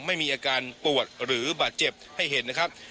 ไม่มีอาการปวดหรือบาดเจ็บให้เห็นนะครับ